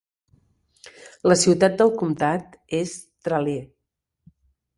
La ciutat del comtat és Tralee.